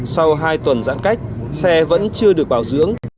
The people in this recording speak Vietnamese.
sau hai tuần giãn cách xe vẫn chưa được bảo dưỡng